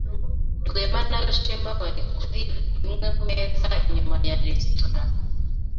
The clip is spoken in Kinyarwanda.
Rwema na Gashema bari kuri imwe kumeza inyuma ya resitora.